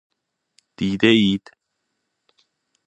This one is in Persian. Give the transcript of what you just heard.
دیده اید